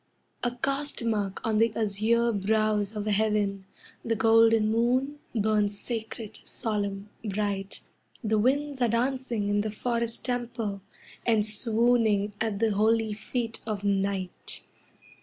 A caste mark on the azure brows of Heaven, The golden moon burns sacred, solemn, bright The winds are dancing in the forest temple, And swooning at the holy feet of Night.